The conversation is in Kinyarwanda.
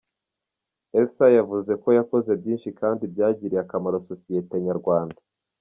Elsa yavuze ko yakoze byinshi kandi byagiriye akamaro sosiyete nyarwanda.